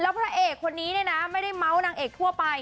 พระเอกคนนี้เนี่ยนะไม่ได้เมาส์นางเอกทั่วไป